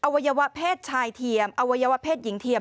วัยวะเพศชายเทียมอวัยวะเพศหญิงเทียม